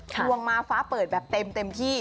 ดวงมาฟ้าเปิดแบบเต็มที่